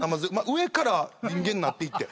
上から人間になっていって。